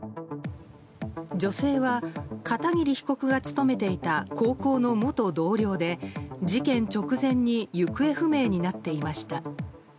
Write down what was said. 女性は、片桐被告が勤めていた高校の元同僚で事件直前に行方不明になっていました。